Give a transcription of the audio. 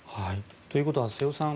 ということは、瀬尾さん